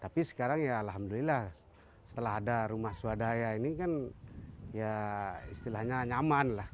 tapi sekarang ya alhamdulillah setelah ada rumah swadaya ini kan ya istilahnya nyaman lah